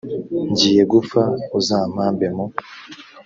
ngiye gupfa. uzampambe mu